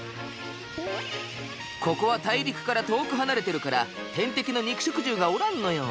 ここは大陸から遠く離れてるから天敵の肉食獣がおらんのよ。